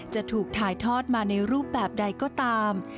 จะถูกถ่ายทอดมาในรูปแบบใดก็ตาม